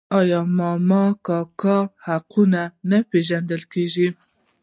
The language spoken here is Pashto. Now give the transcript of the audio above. آیا د ماما او کاکا حقونه نه پیژندل کیږي؟